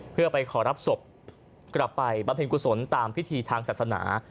เพื่อไปขอรับศพกลับไปประพิงกุศลตามพิธีทางศักดิ์ศนา